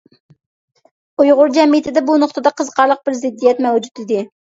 ئۇيغۇر جەمئىيىتىدە بۇ نۇقتىدا قىزىقارلىق بىر زىددىيەت مەۋجۇت ئىدى.